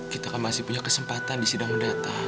kita kan masih punya kesempatan di sidang data